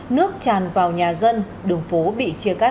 nước tràn vào nhà dân đường phố bị chia cắt